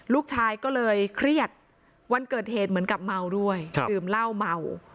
ลูกชายก็เลยเครียดวันเกิดเหตุเหมือนกับเมาด้วยดื่มเหล้าเมา